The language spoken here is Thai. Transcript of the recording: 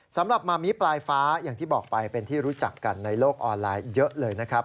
สำหรับมามิปลายฟ้าอย่างที่บอกไปเป็นที่รู้จักกันในโลกออนไลน์เยอะเลยนะครับ